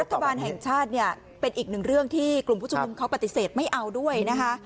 รัฐบาลแห่งชาติเป็นอีกหนึ่งเรื่องที่กลุ่มผู้ชมเขาปฏิเสธไม่เอาด้วย